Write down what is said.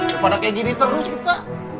kepada kayak gini terus kita